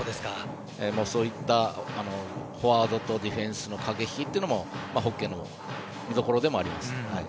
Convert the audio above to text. そういったフォワードとディフェンスの駆け引きというのもホッケーの見どころでもあります。